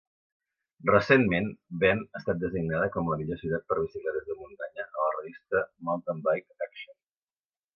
Recentment, Bend ha estat designada com la millor ciutat per a bicicletes de muntanya a la revista Mountain Bike Action.